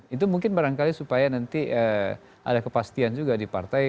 itu mungkin barangkali supaya nanti ada kepastian juga di partai